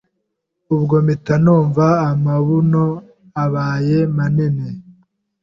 Ubwo mpita numva amabuno abaye Manini